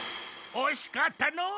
おしかったのう。